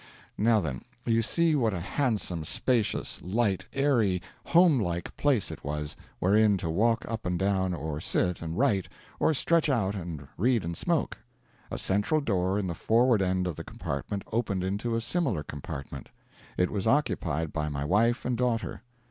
Now then, you see what a handsome, spacious, light, airy, homelike place it was, wherein to walk up and down, or sit and write, or stretch out and read and smoke. A central door in the forward end of the compartment opened into a similar compartment. It was occupied by my wife and daughter.